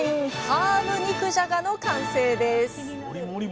ハーブ肉じゃがの完成です！